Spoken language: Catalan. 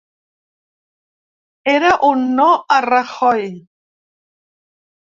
Era un no a Rajoy.